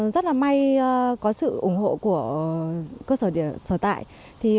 rất là may có sự ủng hộ của cơ sở sở tại